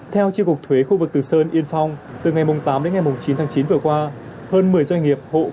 theo tri cục thuế khu vực từ sơn yên phong từ ngày tám đến ngày chín tháng chín vừa qua hơn một mươi doanh nghiệp hộ cá nhân kinh doanh trên địa bàn